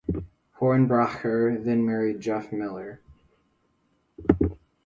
Hornbacher then married Jeff Miller.